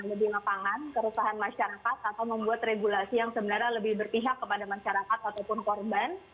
ada di lapangan kerusahan masyarakat atau membuat regulasi yang sebenarnya lebih berpihak kepada masyarakat ataupun korban